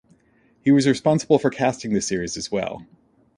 He was responsible for casting the series as well.